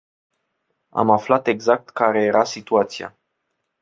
Am aflat exact care era situația.